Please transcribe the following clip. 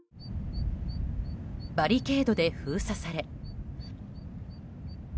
バリケードで封鎖され。